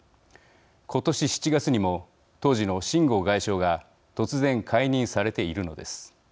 今年７月にも当時の秦剛外相が突然、解任されているのです。